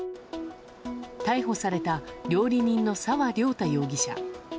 逮捕された料理人の沢涼太容疑者。